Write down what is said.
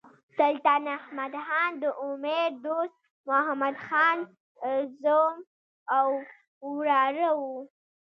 سلطان احمد خان د امیر دوست محمد خان زوم او وراره وو.